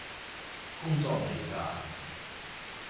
工作嚟嘎？